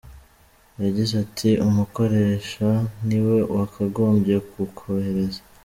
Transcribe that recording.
Yagize ati “Umukoresha niwe wakagombye kukohereza.